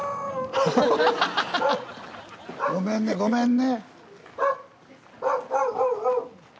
ごめんねごめんね。